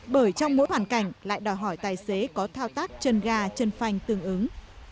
bởi trong mỗi hoàn cảnh lại đòi hỏi tài xế có thao tác chân ga chân phanh tương ứng